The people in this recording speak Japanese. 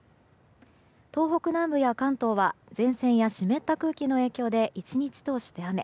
東北南部や関東は前線や湿った空気の影響で１日を通して雨。